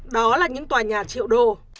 đó là những tòa nhà triệu đô